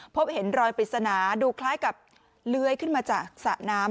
พบเห็นรอยปริศนาดูคล้ายกับเลื้อยขึ้นมาจากสระน้ำ